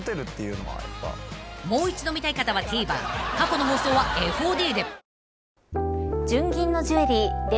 ［もう一度見たい方はＴＶｅｒ過去の放送はＦＯＤで］